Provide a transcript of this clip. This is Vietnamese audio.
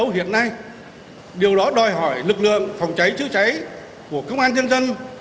hiện nay điều đó đòi hỏi lực lượng phòng cháy chữa cháy của công an nhân dân